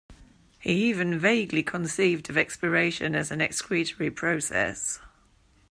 He even vaguely conceived of expiration as an excretory process.